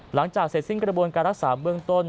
หลังจากเสร็จสิ้นกระบวนการรักษาเบื้องต้น